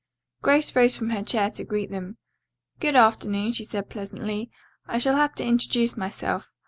Grace rose from her chair to greet them. "Good afternoon," she said pleasantly. "I shall have to introduce myself.